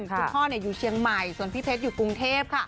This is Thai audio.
คุณพ่ออยู่เชียงใหม่ส่วนพี่เพชรอยู่กรุงเทพค่ะ